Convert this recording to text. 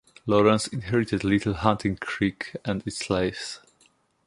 Lawrence inherited Little Hunting Creek and its slaves.